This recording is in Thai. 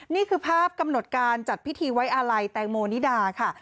นี่คือภาพกำหนดการจัดพิธีไว้อาลัยแตงโมนิดาค่ะ